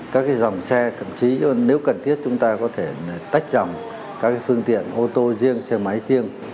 các dòng xe thậm chí nếu cần thiết chúng ta có thể tách dòng các phương tiện ô tô riêng xe máy riêng